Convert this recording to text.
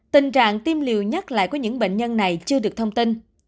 tình trạng tiêm liều nhắc lại của những bệnh nhân này chưa được thông tin